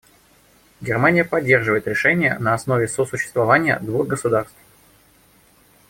Германия поддерживает решение на основе сосуществования двух государств.